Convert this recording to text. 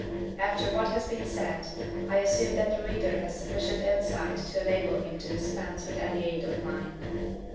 After what has been said, I assume that the reader has sufficient insight to enable him to dispense with any aid of mine.